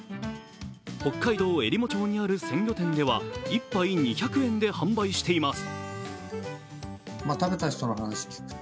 北海道えりも町にある鮮魚店では１杯２００円で販売しています。